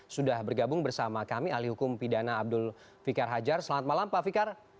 sudah bergabung bersama kami alih hukum pidana abdul fikar hajar selamat malam pak fikar